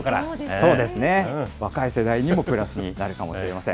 そうですね、若い世代にもプラスになるかもしれません。